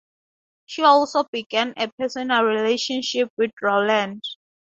She also began a personal relationship with Rowland.